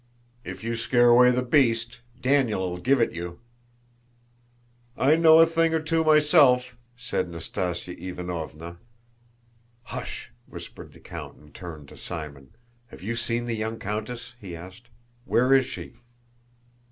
"If you scare away the beast, Daniel'll give it you!" "I know a thing or two myself!" said Nastásya Ivánovna. "Hush!" whispered the count and turned to Simon. "Have you seen the young countess?" he asked. "Where is she?"